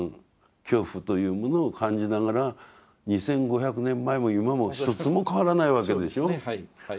恐怖というものを感じながら２，５００年前も今も一つも変わらないわけでしょ。